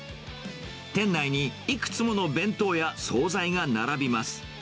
店内にいくつもの弁当や総菜が並びます。